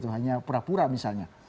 hanya pura pura misalnya